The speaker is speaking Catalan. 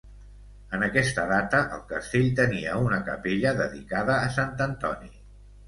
En aquesta data el castell tenia una capella dedicada a Sant Antoni.